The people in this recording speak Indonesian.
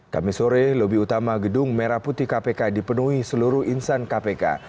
kami sore lobi utama gedung merah putih kpk dipenuhi seluruh insan kpk